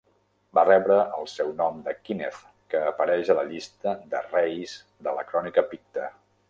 Va rebre el seu nom de Kineth, que apareix a la llista de reis de la Crònica picta.